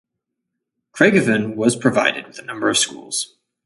Craigavon was provided with a number of schools.